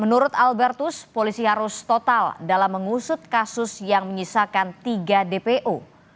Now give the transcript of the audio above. menurut albertus polisi harus total dalam mengusut kasus yang menyisakan tiga dpo